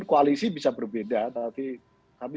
koalisi bisa berbeda tapi